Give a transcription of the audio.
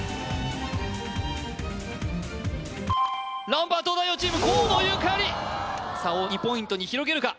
ランプは東大王チーム河野ゆかり差を２ポイントに広げるか？